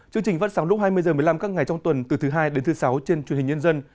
chương trình vẫn sáng lúc hai mươi h một mươi năm các ngày trong tuần từ thứ hai đến thứ sáu trên truyền hình nhân dân